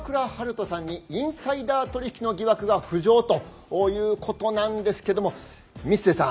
人さんにインサイダー取引の疑惑が浮上ということなんですけども光瀬さん